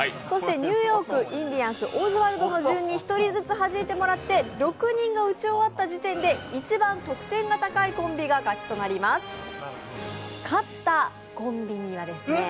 そして、ニューヨーク、インディアンス、オズワルドの順に１人ずつはじいていただいて６人が打ち終わった時点で一番得点が高いコンビが勝ちとなります。